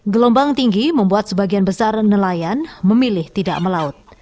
gelombang tinggi membuat sebagian besar nelayan memilih tidak melaut